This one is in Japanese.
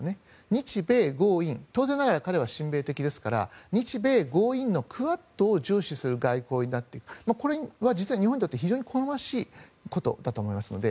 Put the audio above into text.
日米豪印当然ながら彼は親米的ですから日米豪印のクアッドを重視する外交になってこれは実は日本にとって非常に好ましいことだと私は思いますので。